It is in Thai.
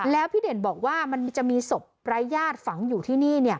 แล้วพี่เด่นบอกว่ามันจะมีศพรายญาติฝังอยู่ที่นี่